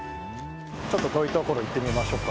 ちょっと遠いところ行ってみましょうか。